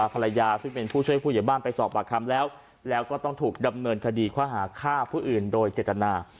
ภรรยาซึ่งเป็นผู้ช่วยผู้ใหญ่บ้านไปสอบปากคำแล้วแล้วก็ต้องถูกดำเนินคดีข้อหาฆ่าผู้อื่นโดยเจตนา